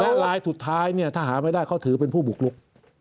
และลายสุดท้ายเนี่ยถ้าหาไม่ได้เขาถือเป็นผู้บุกลุก